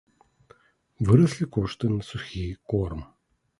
Выраслі кошты на сухі корм.